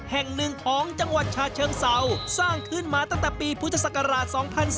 แห่งหนึ่งของจังหวัดชาเชิงเศร้าสร้างขึ้นมาตั้งแต่ปีพุทธศักราช๒๔